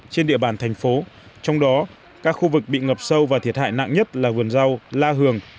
trên địa bàn thành phố trong đó các khu vực bị ngập sâu và thiệt hại nặng nhất là vườn rau la hường